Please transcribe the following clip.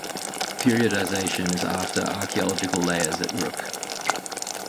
Periodization is after archaeological layers at Uruk.